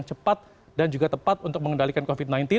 cepat dan juga tepat untuk mengendalikan covid sembilan belas